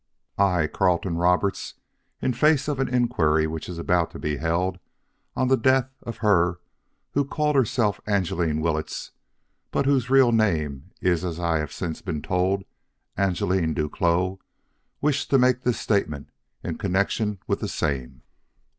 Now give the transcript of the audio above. "I, Carleton Roberts, in face of an inquiry which is about to be held on the death of her who called herself Angeline Willetts, but whose real name is as I have since been told Angeline Duclos, wish to make this statement in connection with the same.